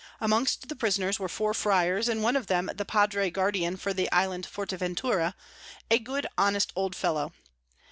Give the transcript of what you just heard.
Amongst the Prisoners were four Fryars, and one of them the Padre Guardian for the Island Forteventura, a good honest old Fellow.